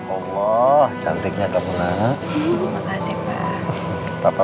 allah cantiknya kamu lah